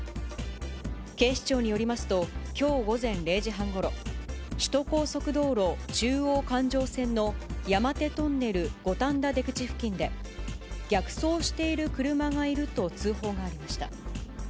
警視庁によりますと、きょう午前０時半ごろ、首都高速道路中央環状線の山手トンネル五反田出口付近で、逆走している車がいると通報がありました。